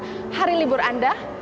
selamat hari libur anda